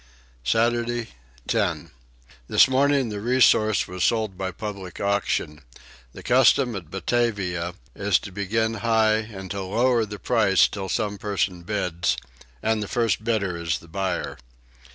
Saturday 10. This morning the Resource was sold by public auction: the custom at Batavia is to begin high and to lower the price till some person bids; and the first bidder is the buyer.